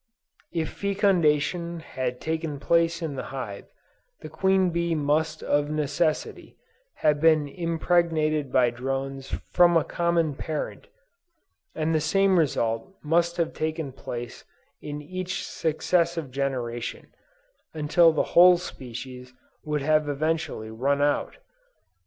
If fecundation had taken place in the hive, the queen bee must of necessity, have been impregnated by drones from a common parent, and the same result must have taken place in each successive generation, until the whole species would eventually have "run out."